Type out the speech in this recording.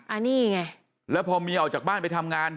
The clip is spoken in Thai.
อันนี้ไงแล้วพอเมียออกจากบ้านไปทำงาน